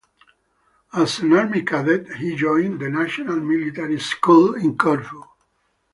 As an army cadet, he joined the National Military School in Corfu.